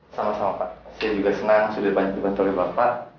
sama sama pak saya juga senang sudah banyak dibantu oleh bapak